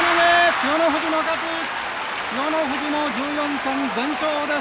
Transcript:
千代の富士も１４戦全勝です。